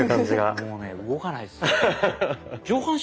もうね動かないですよ。